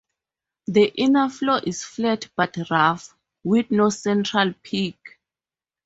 The inner floor is flat but rough, with no central peak.